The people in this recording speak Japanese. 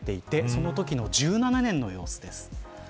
そのときの２０１７年の様子です。